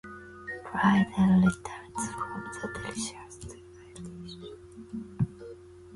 Pryderi returns from the disastrous Irish wars as one of the only Seven Survivors.